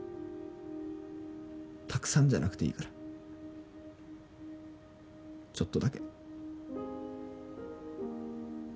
たくさんじゃなくていいからちょっとだけ。